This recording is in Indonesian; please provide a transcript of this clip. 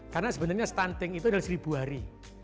karena sebenarnya stunting itu dari seribu hari